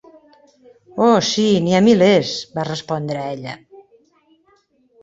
"Oh, sí, n'hi ha milers", va respondre ella.